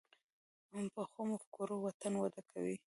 پخو مفکورو وطن وده کوي